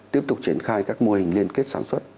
tiếp tục triển khai các mô hình liên kết sản xuất